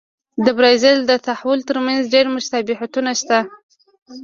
د برازیل د تحول ترمنځ ډېر مشابهتونه شته.